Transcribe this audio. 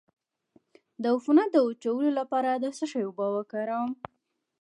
د عفونت د وچولو لپاره د څه شي اوبه وکاروم؟